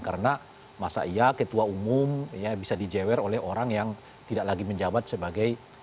karena masa iya ketua umum bisa dijewer oleh orang yang tidak lagi menjabat sebagai